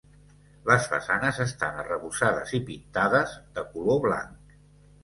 Les façanes estan arrebossades i pintades de color blanc.